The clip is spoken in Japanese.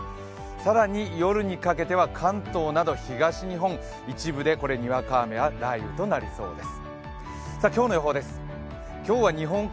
更に夜にかけては関東など東日本一部でにわか雨や雷雨となりそうです。